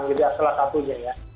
setelah satunya ya